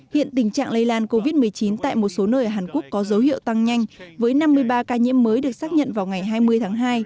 hiện tình trạng lây lan covid một mươi chín tại một số nơi ở hàn quốc có dấu hiệu tăng nhanh với năm mươi ba ca nhiễm mới được xác nhận vào ngày hai mươi tháng hai